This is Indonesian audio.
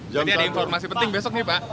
jadi ada informasi penting besok nih pak